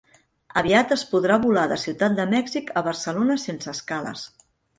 Aviat es podrà volar de Ciutat de Mèxic a Barcelona sense escales